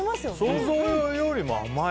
想像よりも甘い。